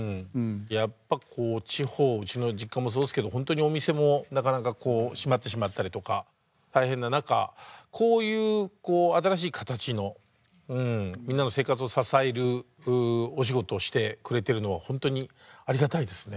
やっぱこう地方うちの実家もそうですけどほんとにお店もなかなかこうしまってしまったりとか大変な中こういう新しい形のみんなの生活を支えるお仕事をしてくれてるのはほんとにありがたいですね。